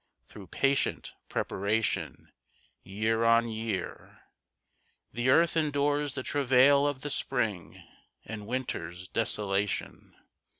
Through patient preparation, year on year, The earth endures the travail of the Spring And Winter's desolation.